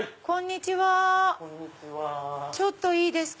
ちょっといいですか？